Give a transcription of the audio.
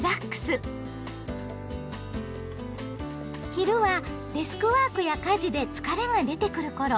昼はデスクワークや家事で疲れが出てくる頃。